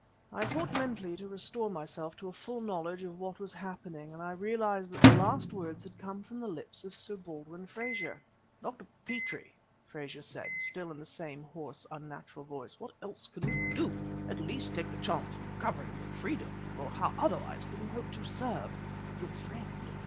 I fought mentally to restore myself to a full knowledge of what was happening, and I realized that the last words had come from the lips of Sir Baldwin Frazer. "Dr. Petrie," Frazer said, still in the same hoarse and unnatural voice, "what else can we do? At least take the chance of recovering your freedom, for how otherwise can you hope to serve your friend...."